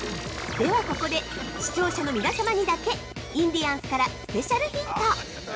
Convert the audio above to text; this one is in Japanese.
◆ではここで、視聴者の皆様にだけ、インディアンスからスペシャルヒント！